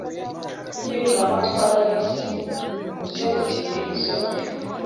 nimpinduramatwara yisi kubyerekeye izuba